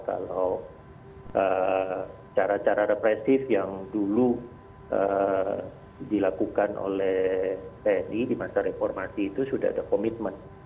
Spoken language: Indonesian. kalau cara cara represif yang dulu dilakukan oleh tni di masa reformasi itu sudah ada komitmen